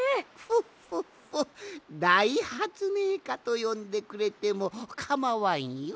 フォッフォッフォだいはつめいかとよんでくれてもかまわんよ。